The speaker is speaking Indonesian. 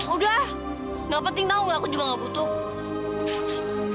udah nggak penting tau nggak aku juga nggak butuh